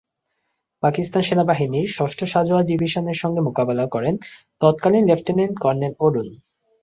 পাকিস্তান সেনাবাহিনীর ষষ্ঠ সাঁজোয়া ডিভিশনের সঙ্গে মোকাবেলা করেন তৎকালীন লেফটেন্যান্ট কর্নেল অরুন।